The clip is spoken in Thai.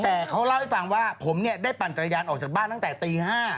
แต่เขาเล่าให้ฟังว่าผมเนี่ยได้ปั่นจักรยานออกจากบ้านตั้งแต่ตี๕